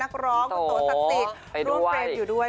นักร้องตัวศักดิ์ร่วมเฟรมอยู่ด้วย